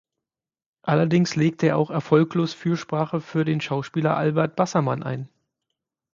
Allerdings legte er auch erfolglos Fürsprache für den Schauspieler Albert Bassermann ein.